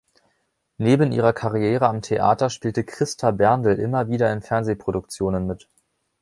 Neben ihrer Karriere am Theater spielte Christa Berndl immer wieder in Fernsehproduktionen mit.